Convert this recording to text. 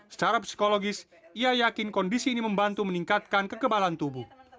secara psikologis ia yakin kondisi ini membantu meningkatkan kekebalan tubuh